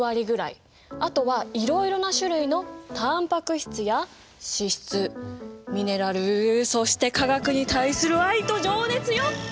あとはいろいろな種類のたんぱく質や脂質ミネラルそして化学に対する愛と情熱よ！